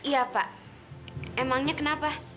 ya pak emangnya kenapa